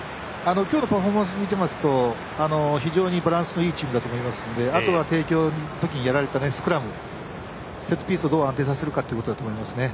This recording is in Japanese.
今日のパフォーマンス見てますと非常にバランスのいいチームだと思いますのであとは帝京の時にやられたやられたスクラムセットピースをどう安定させるかだと思います。